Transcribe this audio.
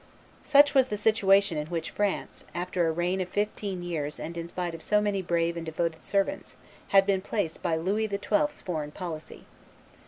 Such was the situation in which France, after a reign of fifteen years and in spite of so many brave and devoted servants, had been placed by Louis XII.'s foreign policy.